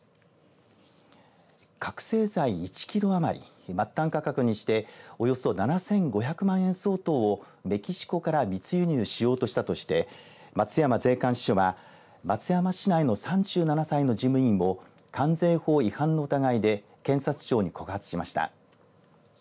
覚醒剤１キロ余り末端価格にしておよそ７５００万円相当をメキシコから密輸入しようとしたとして松山税関支署は松山市内の３７歳の事務員を関税法違反の疑いで検察庁に告発しました。